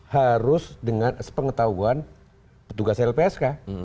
harus dengan sepengetahuan petugas lpsk